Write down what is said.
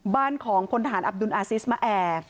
บ้านของพลฐานอับดุลอาซิสมาแอร์